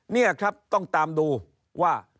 นี่ครับต้องตามดูว่า